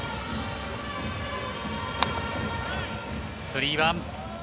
スリーワン。